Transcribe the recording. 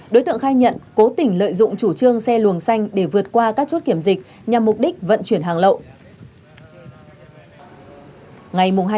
đối tượng khai nhận cố tình lợi dụng chủ trương xe luồng xanh để vượt qua các chốt kiểm dịch nhằm mục đích vận chuyển hàng lậu